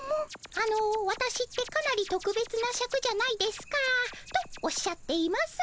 「あのワタシってかなりとくべつなシャクじゃないですか」とおっしゃっています。